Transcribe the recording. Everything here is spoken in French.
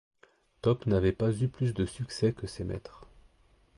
Top n’avait pas eu plus de succès que ses maîtres.